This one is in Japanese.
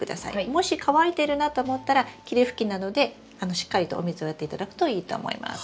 もし乾いてるなと思ったら霧吹きなどでしっかりとお水をやっていただくといいと思います。